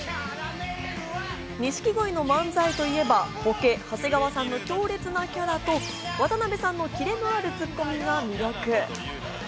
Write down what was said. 錦鯉の漫才といえばボケの長谷川さんの強烈なキャラと渡辺さんのキレのあるツッコミが魅力。